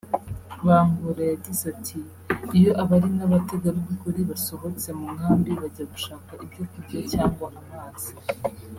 Bangura yagize ati“Iyo abari n’abategarugori basohotse mu nkambi bajya gushaka ibyo kurya cyangwa amazi